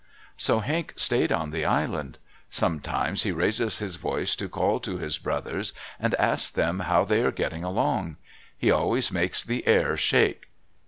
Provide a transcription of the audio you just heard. So Henq stayed on the island. Sometimes he raises his voice to call to his brothers, and ask them how they are getting along. He always makes the air shake.